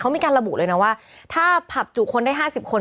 มีการระบุเลยนะว่าถ้าผับจุคนได้๕๐คน